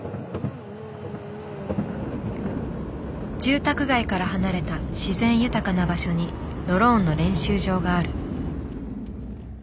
住宅街から離れた自然豊かな場所にドローンの練習場がある。